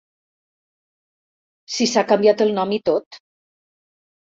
Si s'ha canviat el nom i tot!